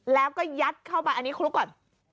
แล้วก็ยัดเข้าไปอันนี้คลุกก่อน